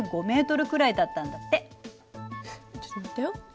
ちょっと待ってよ。